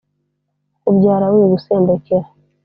ukubyara wigusendekera